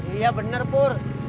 iya bener pur